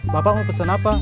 bapak mau pesen apa